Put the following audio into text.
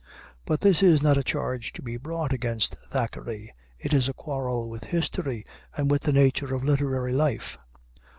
But this is not a charge to be brought against Thackeray. It is a quarrel with history and with the nature of literary life.